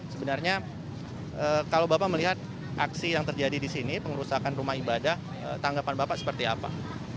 sebenarnya kalau bapak melihat aksi yang terjadi di sini pengerusakan rumah ibadah tanggapan bapak seperti apa